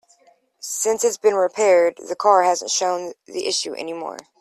Since it's been repaired, the car hasn't shown the issue any more.